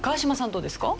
どうですか？